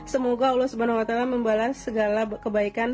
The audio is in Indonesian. semoga allah swt membalas segala kebaikan